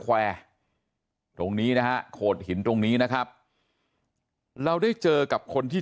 แควร์ตรงนี้นะฮะโขดหินตรงนี้นะครับเราได้เจอกับคนที่